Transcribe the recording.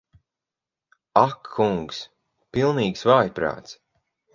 Ak kungs. Pilnīgs vājprāts.